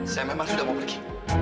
saya memang sudah mau pergi